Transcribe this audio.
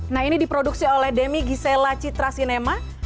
nah ini diproduksi oleh demi gisela citra cinema